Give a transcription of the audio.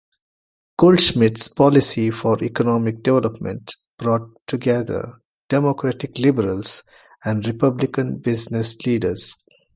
Goldschmidt's policy for economic development brought together Democratic liberals and Republican business leaders.